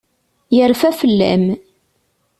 Yerfa fell-am.